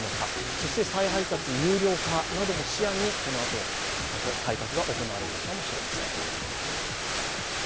そして再配達有料化なども視野に、このあと改革が行われるのかもしれません。